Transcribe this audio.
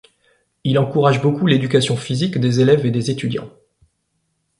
Il encourage beaucoup l'éducation physique des élèves et des étudiants.